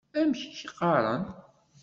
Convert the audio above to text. Amek i k-qqaren?